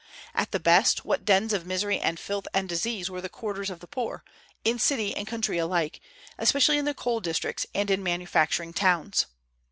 At the best, what dens of misery and filth and disease were the quarters of the poor, in city and country alike, especially in the coal districts and in manufacturing towns.